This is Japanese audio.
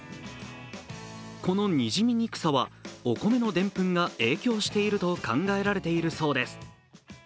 このにじみにくさはお米のでんぷんが影響していると考えられているそうです。